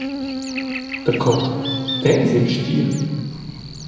Daco, temas il stgir?